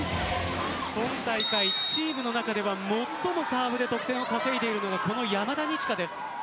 今大会チームの中では最もサーブで得点を稼いでいるのがこの山田二千華です。